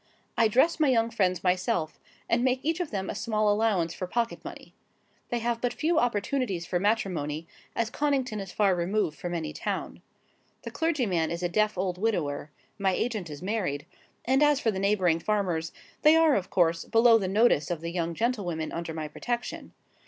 I dress my young friends myself, and make each of them a small allowance for pocket money. They have but few opportunities for matrimony, as Connington is far removed from any town. The clergyman is a deaf old widower; my agent is married; and as for the neighbouring farmers, they are, of course, below the notice of the young gentlewomen under my protection.